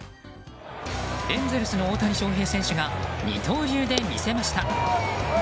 エンゼルスの大谷翔平選手が二刀流で見せました。